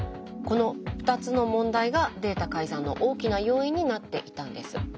この２つの問題がデータ改ざんの大きな要因になっていたんです。